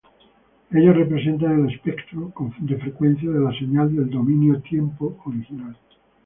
Ellos representan el espectro de frecuencia de la señal del dominio-tiempo original.